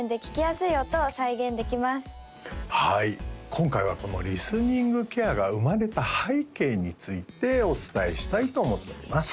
今回はこのリスニングケアが生まれた背景についてお伝えしたいと思っております